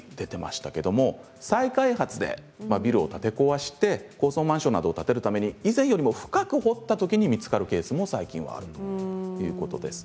再開発でビルを建て壊して高層マンションなどを建てるために以前より深く掘ったときに見つかるケースも最近はあるということです。